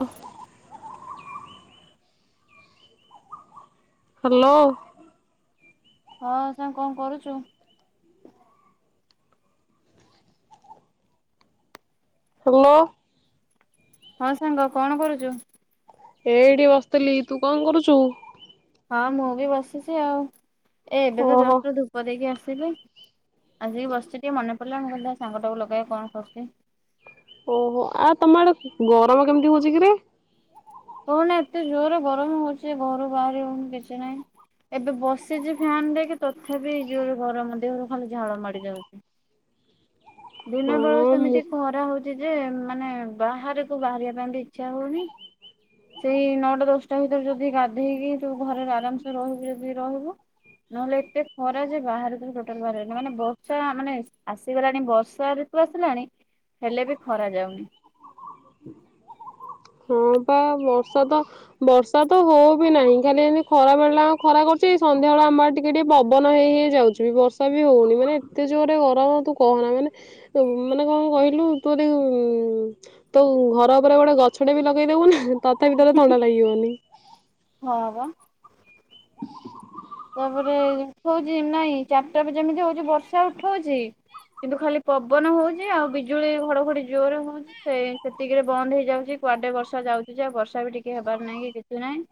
ହ। ହାଲୋ। ହଁ ସାଙ୍ଗ କଣ କରୁଚୁ? ହାଲୋ। ହଁ ସାଙ୍ଗ କଣ କରୁଚୁ? ଏଇଠି ବସିଥିଲି ତୁ କଣ କରୁଚୁ? ହଁ ମୁଁ ବି ବସିଚି ଆଉ ଏ ଏବେ ତ ଓହୋ ଜଷ୍ଟ୍ ଧୂ ଧୂପ ଦେଇକି ଆସିଲି ଆସିକି ବସିଚି ଟିକେ ମନେ ପରିଲା ମୁଁ କଇଲି ଦେଖିଆ ସାଙ୍ଗଟାକୁ ଲଗାଏ କଣ କରୁଚି? ଓହୋ ଆଉ ତମ ଆଡେ ଗରମ କେମିତି ହଉଚି କିରେ? କହନା ଏତେ ଜୋରେ ଗରମ ହଉଛି ଯେ ଘରୁ ବାହାରି ହଉନି କିଛି ନାହିଁ। ଏବେ ବସିଛି ଫ୍ୟାନ୍ ଦେଇ କି ତଥାପି ଜୋରେ ଗରମ ଦେହରୁ ଖାଲି ଝାଳ ମାଡି ଯାଉଛି। ହଁ ଦିନବେଳୁ ମୁଁ ସେମିତି କୁହ ରା ହଉଛି ଯେ ମାନେ ବାହାରକୁ ବାହାରିବା ପାଇଁ ବି ଇଚ୍ଛା ହଉନି। ସେଇ ନଅଟା ଦଶଟା ଭିତରେ ଯଦି ଗାଧେଇକି ତୁ ଘରେ ଆରାମ୍ ସେ ରହିବୁ ଯଦି ରହିବୁ। ନହେଲେ ଏତେ ଖରା ଯେ ବାହାରକୁ ଟୋଟାଲ ବାହାରି ହଉନି ମାନେ ବର୍ଷା ମାନେ ଆସିଗଲାଣି ବର୍ଷାରି ତୁ ଆସିଲାଣି ହେଲେ ବି ଖରା ଯାଉନି। [inaudible] ହଁ ପା ବର୍ଷା ତ ବର୍ଷା ତ ହଉ ବି ନାହିଁ ଖାଲି ଏମିତି ଖରା ବେଳଟା ୟାଙ୍କୁ ଖରା କରୁଛି ସନ୍ଧ୍ୟା ବେଳେ ଆମ ଆଡ଼େ ଟି ଟିକେ ଟିକେ ପବନ ହେଇ ହେଇ ଯାଉଛି ବର୍ଷା ବି ହଉନି ମାନେ ଏତେ ଜୋରେ ଗରମ ତୁ କହନା ମାନେ ସେମ୍ ମାନେ କଣ କହିଲୁ ତୁ [unintelligible] ତୁ ଘର ଉପରେ ଗୋଟେ ଗଛଟେ ବି ଲଗେଇଦବୁ ନା ତଥାପି ତତେ ଥଣ୍ଡା ଲାଗିିବନି। ହଁ ପା। [inaudible] ତାପରେ ଉଠଉଛି ନାଇଁ ଚାରିଟା ବି ଯେମିତି ହଉଛି ବର୍ଷା ଉଠଉଛି କିନ୍ତୁ ଖାଲି ପବନ ହଉଛି ଆଉ ବିଜୁଳି ଘଡଘଡି ଜୋରରେ ହଉଛି। ସେଇ ସେତିକିରେ ବନ୍ଦ ହେଇଯାଉଛି କୁଆଡେ ବର୍ଷା ଯାଉଛି ଆଉ ବର୍ଷା ବି ଟିକେ ହେବାର ନାହିଁ କି କିଛି ନାହିଁ।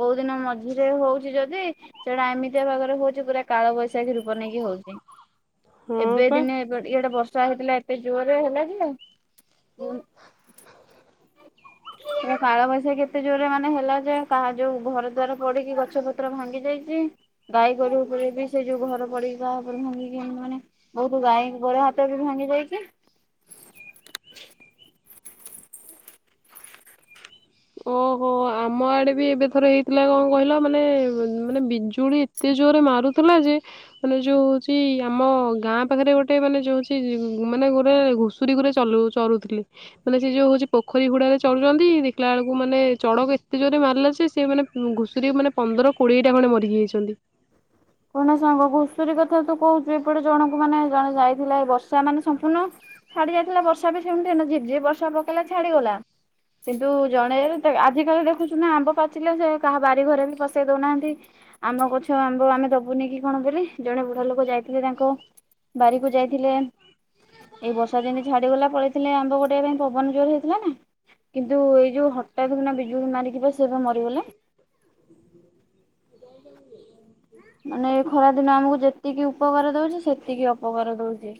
କୋଉ ଦିନ ମଝିରେ ହଉଛି ଯଦି ସେଟା ଏମିତିଆ ବାଗରେ ହଉଛି ପୁରା କାଳବୈଶାଖୀ ରୂପ ନେଇକି ହଉଛି। ହଁ ଏବେ ପା ଦିନେ ଏ ଇଏ ଗଟେ ବର୍ଷା ହେଇଥିଲା ଏବେ ଜୋରରେ ହେଲା ଯେ କାଳ ବୈଶାଖୀ ଏତେ ଜୋରରେ ମାନେ ହେଲା ଯେ କାହା ଯୋଉ ଘର ଦ୍ଵାର ପଡିକି ଗଛ ପତ୍ର ଭାଙ୍ଗି ଯାଇଛି। ଗାଈ ଗୋରୁ ଉପରେ ବି ସେ ଯୋଉ ଘର ପଡିକି ଯାହା ଉପରେ କି ମାନେ ବହୁତ ଗାଈ ଗୋଡ଼ ହାତ ବି ଭାଙ୍ଗି ଯାଇଛି। ଓହୋ ଆମ ଆଡେ ବି ଏବେଥରେ ହେଇଥିଲା କଣ କହିଲ ମାନେ ମାନେ ବିଜୁଳି ତେ ଜୋରେ ମାରୁଥିଲା ଯେ ଲେ ଯୋଉ ହଉଛି ଆମ ଗାଁ ପାଖରେ ଗୋଟେ ମାନେ ଯୋଉ ଅଛି ମାନେ ଗୋଟେ ଷୁରୀ ଗୁରେ ଚରୁଥିଲେ ମାନେ ସେ ଯୋଉ ହଉଛି ପୋଖରୀ ହୁଡାରେ ଚଳୁଛନ୍ତି ଦେଖିଲା ବେଳକୁ ମାନେ ଚଢକ ଏତେ ଜୋରରେ ମାରିଲା ଯେ ସେ ମାନେ ଘୁଷୁରି ମାନେ ପନ୍ଦର କୋଡିଏ ଟା ଖଣ୍ଡେ ମରି ଯାଇଛନ୍ତି। କୁନା ସାଙ୍ଗ ଘୁଷୁରୀ କଥା ତୁ କହୁଛୁ ଏପଟେ ଜଣଙ୍କୁ ମାନେ ଜଣେ ଯାଇଥିଲା ଏ ବର୍ଷା ମାନେ ସମ୍ପୂର୍ଣ୍ଣ ଛାଡି ଯାଇଥିଲା ବର୍ଷା ବି ସେମିତିି ବର୍ଷା ଝିପିଝିପି ପକେଇଲା ଛାଡିଗଲା କିନ୍ତୁ ଜଣେ ଆଜିକାଲି ଦେଖୁଛୁ ନା ଆମ୍ବ ପାଚିଲେ ସେ କାହା ବାରି ଘରେ ବି ପସେଇ ଦଉନାହାନ୍ତି। ଆମ ଗଛ ଆମ୍ବ ଆମେ ଦବୁନି କି କଣ ବୋଲି ଜଣେ ବୁଢା ଲୋକ ଯାଇଥିଲେ ତାଙ୍କ ବାରିକୁ ଯାଇଥିଲେ ଏଇ ବର୍ଷା ଯେମିତି ଛାଡିଗଲା ପଳେଇଥିଲେ ଆମ୍ବ ଗୋଟେବା ପାଇଁ ପବନ ଜୋରେ ହେଇଥିଲା ନା। କିନ୍ତୁ ଏଇ ଯୋଉ ହଟାତ୍ କିନା ବିଜୁଳି ମାରିିକି ବା ସେ ମରିଗଲେ। ମାନେ ଖରା ଦିନ ଆମକୁ ଯେତିକି ଉପକାର ଦଉଛି ସେତିକି ଅପକାର ଦଉଛି।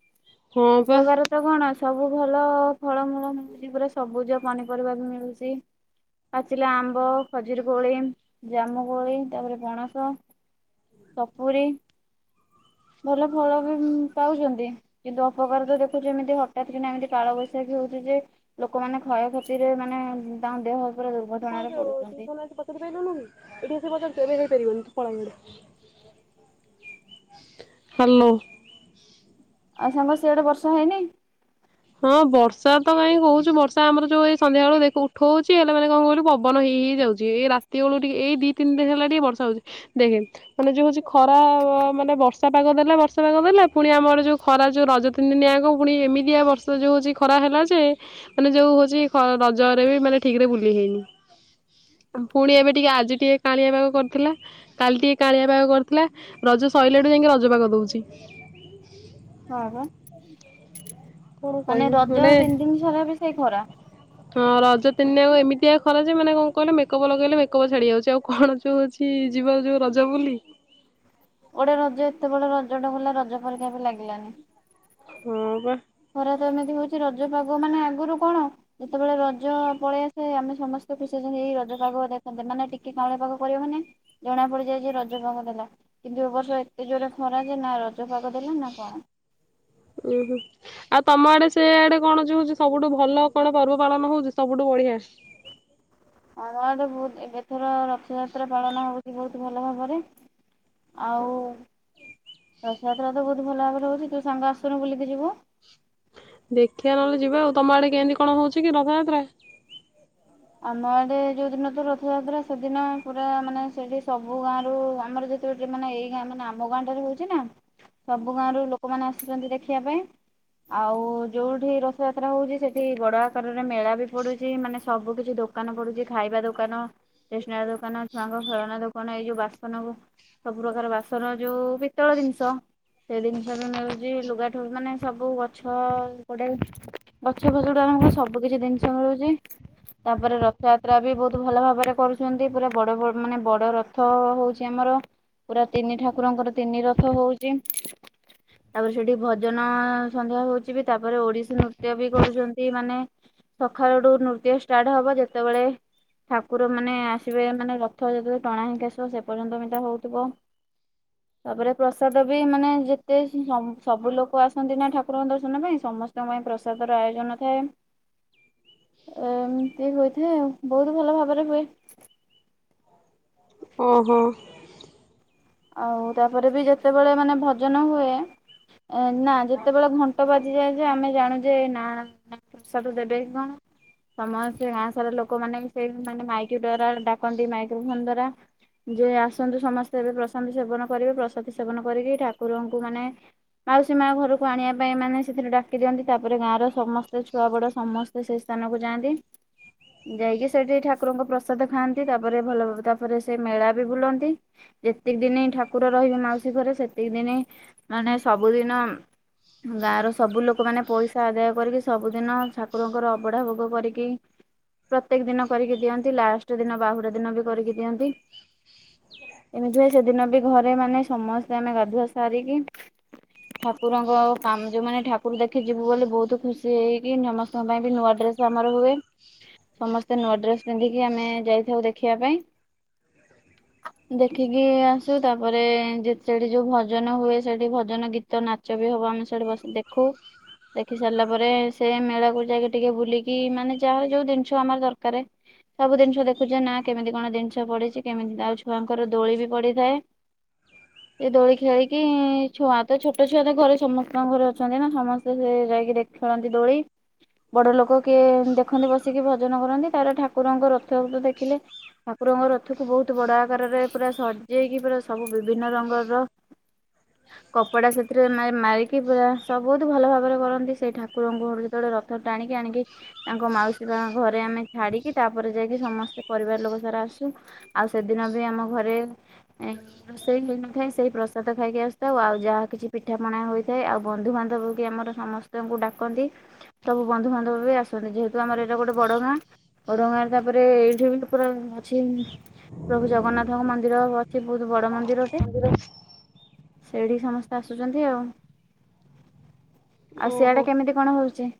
ହଁ ବା। ଉପକାର ତ କଣ ସବୁ ଭଲ ଫଳମୂଳ ମିଳୁଛି ପୁରା ସବୁଜ ପନିପରିବା ବି ମିଳୁଛି। ପାଚିଲା ଆମ୍ବ ଖଜୁରୀ କୋଳି ଜାମୁ କୋଳି ତାପରେ ପଣସ ସପୁରୀ ଭଲ ଫଳ ବି ପାଉଛନ୍ତି। କିନ୍ତୁ ଅପକାର ତ ଦେଖୁଛ ଏମିତି ହଠାତ୍ କିନା ଏମିତି କାଳବୈଶାଖୀ ହଉଛି ଯେ ଲୋକମାନେ କ୍ଷୟକ୍ଷତିରେ ମାନେ ତାଙ୍କ ଦେହ ଉପରେ ଦୁର୍ଘଟଣାରେ ପଡୁଛନ୍ତି। ସେଥିପାଇଁ ତ ନଉନି ଏଠି ଆସି ବସିଯାଉଛି ଏବେ ହେଇ ପାରିବନି ପଳା ଇଆଡେ। ହାଲୋ। ଆଉ ସାଙ୍ଗ ସିଆଡେ ବର୍ଷା ହେଇନି? ହଁ ବର୍ଷା ତ କାହିଁକି ହଉଛି ବର୍ଷା ଆମର ଯୋଉ ଏଇ ସନ୍ଧ୍ୟାବେଳୁ ଦେଖ ଉଠଉଛି ହେଲେ ମାନେ କଣ କହିଲୁ ପବନ ହେଇ ହେଇ ଯାଉଛି। ଛି ଏଇ ରାତି ବେଳକୁ ଟିକେ ଏଇ ଦି ତିନି ଦିନ ହେଲା ଟିକେ ବର୍ଷା ହଉଛି ଦେଖେ ମାନେ ଯୋଉ ହଉଛି ଖରା ମାନେ ବର୍ଷା ପାଗ ଦେଲା ବର୍ଷା ପାଗ ଦେଲା ପୁଣି ଆମର ଯୋଉ ଖ ଖାରା ଯୋଉ ରଜ ତିନିଦିନ ଯାକ ପୁଣି ଏମିତିଆ ବର୍ଷ ର୍ଷ ଯୋଉ ହଉଛି ଖରା ହେଲା ଯେ ମାନେ ଯୋଉ ହଉଛି ଖ ରଜରେ ବି ମାନେ ଠିକ୍ ରେ ବୁଲି ହେଇନି। ପୁଣି ଏବେ ଟିକେ ଆଜି ଟିକେ କାଣିଆ ପାଗ କରିଥିଲା। କାଲି ଟିକେ କାଣିଆ ପାଗ କରିଥିଲା ରଜ ସରିଲାଠୁ ଯାଇଁକି ରଜ ପାଗ ଦଉଛି। ହଁ ବା କଣ ମାନେ କହିବୁ ରଜ ତିନି ଦିନି ସାରା ବି ସେଇ ଖରା। ହଁ ରଜ ତିନି ଦିନ ଯାକ ଏମିତିଆ ଖରା ଯେ ମାନେ କଣ କହିଲେ ମେକଅପ୍ ଲଗେଇଲେ ମେକଅପ୍ ଛାଡି ଯାଉଛି ଆଉ କଣ ଯୋଉ ହଉଛି କି ଯିବ ଯୋଉ ରଜ ବୁଲି। ଗୋଟେ ରଜ ଏତେ ବଡ ରଜଟା ଗଲା ରଜ ପରିକା ବି ଲାଗିଲାନି। ହଁ ବା। ଖରା ତ ଏମିତି ହଉଛି ରଜ ପାଗ ମାନେ ଆଗରୁ କଣ ଯେତେବେଳେ ରଜ ପଳେଇ ଆସେ ଆମେ ସମସ୍ତେ ମିସି ଏଇ ରଜ ପାଗ ଦେଖନ୍ତେ ମାନେ ଟିକେ କାଉଁଳିଆ ପାଗ କରିବ ମାନେ ଜଣା ପଡ଼ିଯାଏ ଯେ ରଜ ପାଗ ଦେଲା। କିନ୍ତୁ ଏ ବର୍ଷ ଏତେ ଜୋର୍ ରେ ଖରା ଯେ ନାଁ ରଜ ପାଗ ଦେଲା ନାଁ କଣ। ଉୁଁ ହୁଁ। ଆଉ ତମ ଆଡେ ସେ ଆଡେ କଣ ଯୋଉ ହଉଛି ସବୁଠୁ ଭଲ କଣ ପର୍ବ ପାଳନ ହଉଛି ସବୁଠୁ ବଢିଆ? ଆମର ଏଠି ବହୁତ ଏଥର ରଥଯାତ୍ରା ପାଳନ ହଉ ବହୁତ ଭଲ ଭାବରେ ଆଉ ରଥଯାତ୍ରା ତ ବହୁତ ଭଲ ଭାବରେ ହଉଛି ତୁ ସାଙ୍ଗ ଆସୁନୁ ବୁଲିକି ଯିବୁ। ଦେଖିବା ନହେଲେ ଯିବା ଆଉ ତମ ଆଡେ କେମିତି କଣ ହଉଛି କି ରଥଯାତ୍ରା? ଆମ ଆଡେ ଯୋଉ ଦିନ ତ ରଥଯାତ୍ରା ସେଦିନ ପୁରା ମାନେ ସେଠି ସବୁ ଗାଁ ରୁ ଆମର ଯେ ତେ ଯିଏ ମାନେ ଏଇ ଗାଁ ମାନେ ଆମ ଗାଁ ଟାରେ ହଉଛି ନାଁ ସବୁ ଗାଁ ର ଲୋକମାନେ ଆସୁଛନ୍ତି ଦେଖିବା ପାଇଁ। ଆଉ ଯୋଉଠି ରଥଯାତ୍ରା ହଉଛି ସେଠି ବଡ ଆକାରରେ ମେଳା ବି ପଡୁଛି ମାନେ ସବୁ କି ଯୋଉ ଦୋକାନ ପଡୁଛି ଖାଇବା ଦୋକାନ ଷ୍ଟେସନାରୀ ଦୋକାନ ଛୁଆଙ୍କ ଖେଳନା ଦୋକାନ ଏଇ ଯୋଉ ବାସନ କୁ ସବୁ ପ୍ରକାର ବାସନ ଯୋଉ ପିତଳ ଜିନିଷ ସେ ଜିନିଷ ବି ମିଳୁଛି ଲୁଗାଠୁ ମାନେ ସବୁ ଗଛ ଗୋଟାଏ ଗଛ ଫସଲଠୁ ଆରମ୍ଭ କରି ସବୁ କିଛି ଜିନିଷ ମିଳୁଛି। ତାପରେ ରଥଯାତ୍ରା ବି ବହୁତ ଭଲ ଭାବରେ କରୁଛନ୍ତି ପୁରା ବଡ ବ ମାନେ ବଡ ରଥ ହଉଛି ଆମର। ପୁରା ତିନି ଠାକୁରଙ୍କର ତିନି ରଥ ହଉଛି ତାପରେ ସେଠି ଭଜନ ସନ୍ଧ୍ୟା ହଉଛି ବି ତାପରେ ଓଡିଶୀ ନୃତ୍ୟ ବି କରୁଛନ୍ତି ମାନେ ସକାଳଠୁ ନୃତ୍ୟ ଷ୍ଟାର୍ଟ ହବ ଯେତେବେଳେ ଠାକୁର ମାନେ ଆସିବେ ମାନେ ରଥ ଯେତେବେଳେ ଟଣା ହେଇକି ଆସିବ ସେ ପର୍ଯ୍ୟନ୍ତ ଏଇଟା ହଉଥିବ। ହ ତାପରେ ପ୍ରସାଦ ବି ମାନେ ଯେତେ ସ ସବୁ ଲୋକ ଆସନ୍ତି ନାଁ ଠାକୁରଙ୍କ ଦର୍ଶନ ପାଇଁ ସମସ ସ୍ତଙ୍କ ପାଇଁ ପ୍ରସାଦର ଆୟୋଜନ ଥାଏ ଅଁ ଏମିତି ହୋଇଥାଏ ଆଉ ବହୁତ ଭଲ ଭାବରେ ହୁଏ। ଓ ହୋ। ଆଉ ତାପରେ ବି ଯେତେବେଳେ ମାନେ ଭଜନ ହୁଏ ଅ ନାଁ ଯେତେବେଳେ ଘ ଘଣ୍ଟ ବାଜିଯାଏ ଯେ ଆମେ ଜାଣୁ ଯେ ନାଁ ପ୍ରସାଦ ଦେବେ କି କଣ। ସମସ୍ତେ ଗାଁ ସାରା ଲୋକମାନେ ସେଇ ମାନେ ମାଇକ ଦ୍ଵାରା ଡାକନ୍ତି ମାଇକ୍ରୋ ଫୋନ ଦ୍ଵାରା। ଯେ ଆସନ୍ତୁ ସମସ୍ତେ ଏବେ ପ୍ରସାଦି ସେବନ କରିବେ ପ୍ରସାଦି ସେବନ କରିକି ଠାକୁରଙ୍କୁ ମାନେ। ମାଉସୀ ମା ଘରକୁ ଆଣିବା ପାଇଁ ମାନେ ସେଥିରେ ଡାକି ଦିଅନ୍ତି ତାପରେ ଗାଁର ସମସ୍ତେ ଛୁଆ ବଡ ସମ ସ୍ତେ ସେଇ ସ୍ଥାନକୁ ଯାଆନ୍ତି। ଯାଇକି ସେଠି ଠାକୁରଙ୍କ ପ୍ରସାଦ ଖାଆନ୍ତି ତାପରେ ଭଲ ତାପରେ ସେ ମେଳା ବି ବୁଲନ୍ତି। ଯେତିକି ଦିନି ଠାକୁର ରହିବେ ମାଉସୀ ଘରେ ସେତିକି ଦିନ ମାନେ ସବୁଦିନ ଉଁ। ଗାଁର ସବୁ ଲୋକମାନେ ପଇସା ଆଦାୟ କରିକି ସବୁଦିନ ଠାକୁରଙ୍କର ଅବଢା ଭୋଗ କରିକି। ପ୍ରତ୍ୟେକ ଦିନ କରିକି ଦିଅନ୍ତି ଲାଷ୍ଟ ଦିନ ବାହୁଡ଼ା ଦିନ ବି କରିକି ଦିଅନ୍ତି। ଏମିତି ହୁଏ ସେଦିନ ବି ଘରେ ମାନେ ସମସ୍ତେ ଆମେ ଗାଧୁଆ ସାରିକି। ଠାକୁରଙ୍କ କାମ ଯୋଉ ମାନେ ଠାକୁର ଦେଖି ଯିବୁ ବୋଲି ବହୁତ ଖୁସି ହେଇକି ସମସ୍ତଙ୍କ ପାଇଁ ବି ନୂଆ ଡ୍ରେସ। ଆମର ହୁଏ ସମସ୍ତେ ନୂଆ ଡ୍ରେସ ପିନ୍ଧିକି ଆମେ ଯାଇଥାଉ ଦେଖିବା ପାଇଁ। ଦେଖି କି। କି ଆସୁ ତାପରେ ସେଠି ଯୋଉ ଭଜନ ହୁଏ ସେଠି ଭଜନ ଗୀତ ନାଚ ବି ହବ ଆମେ ସେଠି ବସି ଦେଖ ଖୋ। ଦେଖି ସାରିଲା ପରେ ସେ ମେଳାକୁ ଯାଇକି ଟିକେ ବୁଲିକି ମାନେ ଯାହାର ଯୋଉ ଜିନିଷ ଆମର ଦରକାରେ। ସବୁ ଜିନିଷ ଦେଖୁ ଚେ ନା କେମିତି କଣ ଜିନିଷ ପଡିଛି କେମିତି ଆଉ ଛୁଆଙ୍କର। ଦୋଳି ବି ପଡିଥାଏ। ଏ ଦୋଳି ଖେଳିକି ଛୁଆ ତ ଛୋଟ ଛୁଆ ତ ଘରେ ସମସ୍ତଙ୍କ ଘରେ ଅଛନ୍ତି ନା ସମସ୍ତେ ସେ ଯାଇକି ଦେଖ। ଖେଳନ୍ତି ଦୋଳି। ବଡ଼ ଲୋକ କିଏ ଦେଖନ୍ତି ବସିକି ଭଜନ କରନ୍ତି ତା ପରେ ଠାକୁରଙ୍କ ରଥ କୁ ଦେଖିଲେ। ଠାକୁରଙ୍କ ରଥ କୁ ବହୁତ ବଡ ଆକାରରେ। ପୁରା ସଜେଇକି ପୁରା ସବୁ ବିଭିନ୍ନ ରଙ୍ଗର। କପଡା ସେଥିରେ ମାରି ମାରିକି ପୁରା ସ ବହୁତୁ ଭଲ ଭାବରେ କରନ୍ତି ସେଇ ଠାକୁରଙ୍କୁ ଯେତେବେଳେ ର ରଥ ଟାଣିକି ଆଣିକି ତାଙ୍କ ମାଉସୀ ମା ଘରେ ଆମେ ଛାଡିକି। ତାପରେ ଯାଇକି ସମସ୍ତେ ପରିବାର ଲୋକ ସାରା ଆସୁ ଆଉ ସେଦିନ ବି ଆମ ଘରେ। ଏଁ ରୋଷେଇ ହେଇନ ଥାଏ ସେଇ ପ୍ରସାଦ ଖାଇକି ଆସିଥାଉ ଆଉ ଯାହା କିଛି ପିଠାପଣା ହୋଇଥାଏ ଆଉ ବନ୍ଧୁ ବାନ୍ଧବ ବି ଆମର ସମସ୍ ସ୍ତ ଙ୍କୁ ଡାକନ୍ତି ସବୁ ବନ୍ଧୁବାନ୍ଧବ ବି ଆସନ୍ତି ଯେହେତୁ ଆମର ଏଇଟା ଗୋଟେ ବଡ ଗାଁ। ଓଡଙ୍ଗା ତାପରେ ଏଇଠୁ ବି ପୁରା ଅଛି ପ୍ରଭୁ ଜଗନ୍ନାଥ। ଙ୍କ ମନ୍ଦିର ଅଛି ବହୁତ୍ ବଡ ମନ୍ଦିର ଟେ। ସେଇଠି କି ସମସ୍ତେ ଆସୁଛନ୍ତି ଆଉ ଆଉ ଓହୋ। ସିଆଡେ କେମିତି। କଣ ହଉଛି?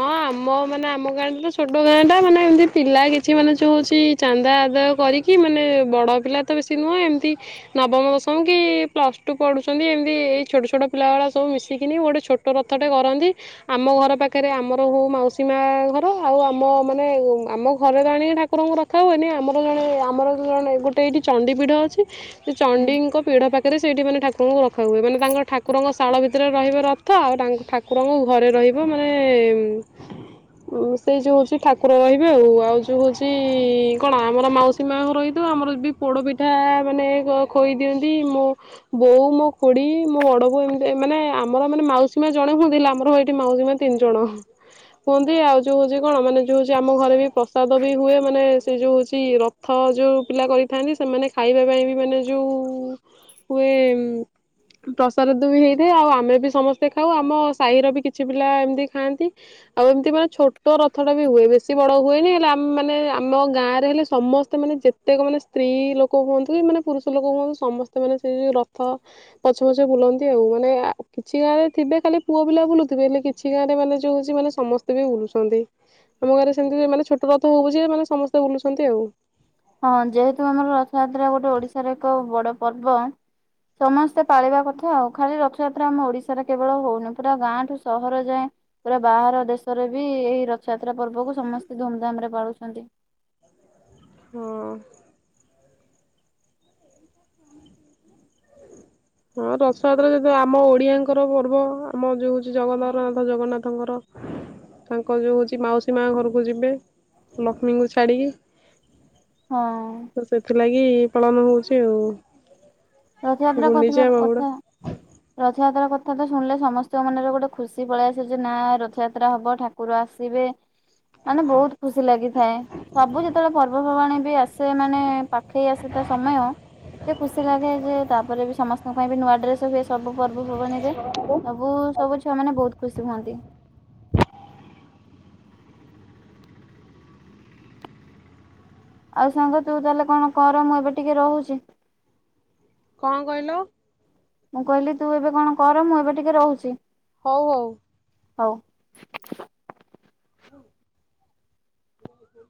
ହଁ ଆମ ମାନେ ଆମ ଗାଁରେ ବି। ଛୋଟ ଗାଁ ଟା ମାନେ ଏମିତି ପିଲା କିଛି ମାନେ ଯୋଉ ହଉଛି ଚାନ୍ଦା ଆଦାୟ କରିକି। କି ମାନେ ବଡ଼ ପିଲା ତ ବେଶି ନୁହଁ ଏମିତି। ନବମ ଦଶମ କି ପ୍ଲସ୍ ଟୁ ପଢୁଛନ୍ତି ଏମିତି ଏଇ ଛୋଟ ଛୋଟ ପିଲା ଗୁଡା ସବୁ ମିଶିକିନି ଗୋଟେ ଛୋଟ। ଛୋଟ ରଥଟେ କରନ୍ତି ଆମ ଘର ପାଖରେ ଆମ। ହୋଉ ହୋଉ ମାଉସୀ ମା ଘର ଆଉ ଆମ ମାନେ ଉଁ ଆମ ଘରେ ବା ଆଣିକି ଠାକୁରଙ୍କୁ ରଖି ରଖା ହୁଏନି ଆମର ଜଣେ ଆମର ଜଣେ ଗୋଟେ ଏଇଠି ଚଣ୍ଡୀ ପିଢ଼ ଅଛି। ସେଇ ହୁଁ। ଚଣ୍ଡିଙ୍କ ପିଢ ପାଖରେ ସେଇଠି ମାନେ ଠାକୁ ଠାକୁରଙ୍କୁ ରଖା ହୁଏ ମାନେ ତାଙ୍କ ଠାକୁରଙ୍କ ଶାଳ ଭିତରେ ରହିବ ରଥ ଆଉ ତାଙ୍କ ଠାକୁରଙ୍କ ଘରେ ରହିବ ମାନେ। [inaudible] ଉଁ ସେଇ ଯୋଉ ହୋଉଛି ଠାକୁର ରହିବେ ଆଉ ଆଉ ଯୋଉ ହୋଉଛି କଣ ଆମର ମାଉସୀ ମା ଘର ହେଇଥିବ ଆମର ବି। ପୋଡ଼ପିଠା ମାନେ ଖୋ ଖୋଇ ଦିଅନ୍ତି ମୋ। ବୋଉ ମୋ ଖୋଡି ମୋ ବଡ ବୋଉ ଏମିତି ମାନେ ଆମର ମାନେ ମାଉସୀ ମା ଜଣେ ହୁଅନ୍ତି ହେଲେ ଆମର ଏଠି ମାଉସୀ ମା। ତିନି ଜଣ କୁହନ୍ତି ଆଉ ଯୋଉ ଯେ କଣ ମାନେ ଯୋଉ ସେ ଆମ ଘରେ ବି ପ୍ରସାଦ ବି ହୁଏ ମାନେ ସେ ଯୋଉ ହୋଚି ର ଥ ଯୋଉ ପିଲା କରିଥାନ୍ତି ସେମାନେ ଖାଇବା ପାଇଁ ବି ମାନେ ଯୋଉ ହୁଏ ପ୍ରସାଦ ଦ ବି ହେଇଥାଏ ଆଉ ଆମେ ବି ସମସ୍ତେ ଖାଉ ଆମ ସାହିର ବି କିଛି ପିଲା ଏମିତି ଖାଆନ୍ତି। ଆଉ ଏମିତି ବାସ୍ ଛୋଟ ରଥ ଟା ବି ହୁଏ ବେଶି ବଡ ହୁଏନି ହେଲେ ଆମେ ମାନେ ଆମ ଗାଁରେ ହେଲେ ସମସ୍ ସ୍ତ ମାନେ ଯେତେକ ମାନେ ସ୍ତ୍ରୀ ଲୋକ ହୁଅନ୍ତୁ କି ମାନେ ପୁରୁଷ ଲୋକ ହୁଅନ୍ତୁ ସମସ୍ତେ ମାନେ ସେଇ ଯୋଉ ରଥ ପଛେ ପଛେ ବୁଲନ୍ତି ଆଉ ମାନେ ଆ କିଛି ଗାଁରେ ଥିବେ ଖାଲି ପୁଅ ପିଲା ବୁଲୁଥିବେ ହେଲେ କିଛି ଗାଁ ରେ ମାନେ ଯୋଉ ହୋଉଚି ମାନେ ସମସ୍ତେ ବି ବୁଲୁଛନ୍ତି। ଆମ ଗାଁରେ ସେମିତି ହୁଏ ମାନେ ଛୋଟ ରଥ ହୋଉ ପଛିକା ମାନେ ସମସ୍ତେ ବୁଲୁଛନ୍ତି ଆଉ। ହଁ ଯେହେତୁ ଆମର ରଥଯାତ୍ରା ଗୋଟେ ଓଡ଼ିଶା ର ଏକ ବଡ଼ ପର୍ବ। ସମସ୍ତେ ପାଳିବା କଥା ଆଉ ଖାଲି ରଥଯାତ୍ରା ଆମ ଓଡିଶାରେ କେବଳ ହୋଉନି ପୁରା ଗାଁଠୁ ସହର ଯାଏଁ ପୁରା ବାହାର ଦେଶରେ ବି ଏଇ ରଥଯାତ୍ରା ପର୍ବକୁ ସମସ୍ତେ ଧୁମ୍ ଧାମ ରେ ପାଳୁଛନ୍ତି। ହଁ। ହଁ ରଥଯାତ୍ରା ଯେହେତୁ ଆମ ଓଡିଆଙ୍କର ପର୍ବ ଆମ ଯୋଉ ଚି ଜଗତର ନାଥ ଜଗନ୍ନାଥଙ୍କର [inaudible] ତାଙ୍କ ଯୋଉ ହୋଉଚି ମାଉସୀ ମା ଘରକୁ ଯିବେ ଲକ୍ଷ୍ମୀଙ୍କୁ ଛାଡ଼ିକି। ହଁ। ତ ସେଥିଲାଗି ପାଳନ ହୋଉଚି ଆଉ। ରଥଯାତ୍ରା କରିଥିଲ ଗୁଣ୍ଡିଚା ବାହୁଡା କଥା ରଥଯାତ୍ରା କଥା ତ ଶୁଣିଲେ ସମସ୍ତଙ୍କ ମନରେ ଗୋଟେ ଖୁସି ପଳେଇ ଆସେ ଯେ ନା ରଥଯାତ୍ରା ହବ ଠା ଠାକୁର ଆସିବେ ମାନେ ବହୁତ୍ ଖୁସି ଲାଗିଥାଏ। ସବୁ ଯେତେବେଳେ ପର୍ବ ପର୍ବାଣୀ ବି ଆସେ ମାନେ ପାଖେଇ ଆସେ ତା ସମୟ ଏତେ ଖୁସି ଲାଗେ ଯେ ତାପରେ ବି ସମସ୍ତଙ୍କ ପାଇଁ ବି ନୂଆ ଡ୍ରେସ୍ ହୁଏ ସବୁ ପର୍ବ ପର୍ବାଣୀ ରେ। ସବୁ ସବୁ ଛୁଆ ମାନେ ବହୁତ୍ ଖୁସି ହୁଅନ୍ତି। ଆଉ ସାଙ୍ଗ ତୁ ତାହେଲେ କଣ କର ମୁଁ ଏବେ ଟିକେ ରହୁଚି। ଙ୍କ କହିଲ? ମୁଁ କହିଲି ତୁ ଏବେ କଣ କର ମୁଁ ଏବେ ଟିକେ ରହୁଚି? ହଉ ହଉ। ହଉ। [inaudible]